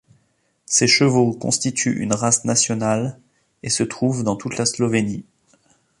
Ces chevaux constituent une race nationale et se trouvent dans toute la Slovénie.